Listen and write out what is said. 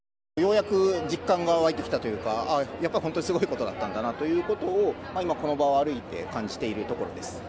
ようやく実感が湧いてきたというか、やっぱり本当にすごいことだったんだなということを、今、この場を歩いて感じているところです。